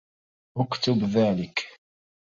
اكتب ذلك.